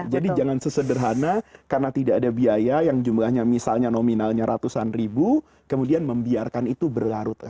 jadi jangan sesederhana karena tidak ada biaya yang jumlahnya misalnya nominalnya ratusan ribu kemudian membiarkan itu berlarut larut